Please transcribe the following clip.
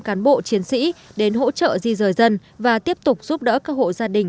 một trăm linh cán bộ chiến sĩ đến hỗ trợ di rời dân và tiếp tục giúp đỡ các hộ gia đình